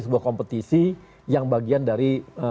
sebuah kompetisi yang bagian dari